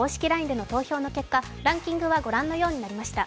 ＬＩＮＥでの投票の結果ランキングはご覧のようになりました。